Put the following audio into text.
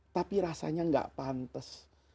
tapi rasanya tidak pantas